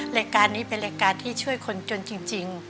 รายการนี้เป็นรายการที่ช่วยคนจนจริง